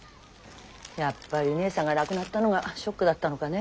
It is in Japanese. やっぱり義姉さんが亡くなったのがショックだったのかね。